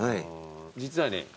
実はね